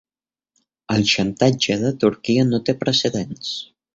El xantatge de Turquia no té precedents